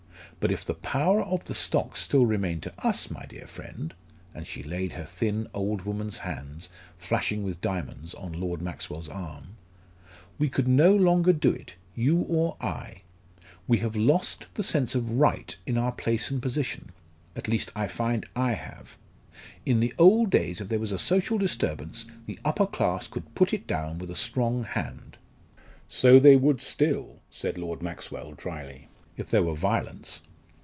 But if the power of the stocks still remained to us, my dear friend" and she laid her thin old woman's hand, flashing with diamonds, on Lord Maxwell's arm "we could no longer do it, you or I. We have lost the sense of right in our place and position at least I find I have. In the old days if there was social disturbance the upper class could put it down with a strong hand." "So they would still," said Lord Maxwell, drily, "if there were violence.